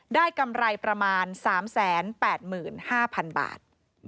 กำไรประมาณ๓๘๕๐๐๐บาท